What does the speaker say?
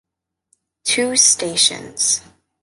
Two stations.